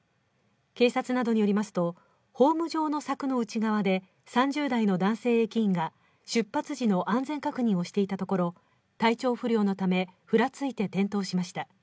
警察などによりますとホーム上の柵の内側で、３０代の男性駅員が出発時の安全確認をしていたところ、体調不良のためふらついて転倒しました。